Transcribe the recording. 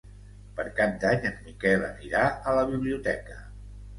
Per Cap d'Any en Miquel anirà a la biblioteca.